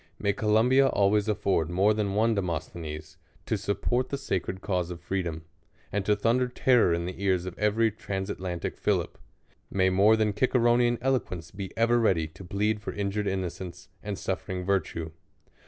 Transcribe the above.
May Columbia always afford more than one De mosthenes, to support the sacred cause of freedom, and to thunder terror in the ears of every transat lantic Philip. May more than Ciceronean eloquence be ever ready to plead for injured innocence, and suifering virtue.